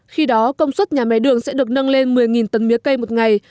khi đó công suất nhà máy đường sẽ được nâng lên một mươi tấn mía cây một ngày